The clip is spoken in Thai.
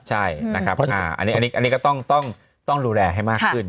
ใช่นะครับอันนี้ก็ต้องดูแลให้มากขึ้น